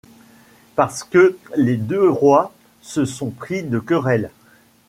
Parce que les deux rois se sont pris de querelle ;